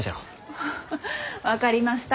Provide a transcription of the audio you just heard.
フフ分かりました。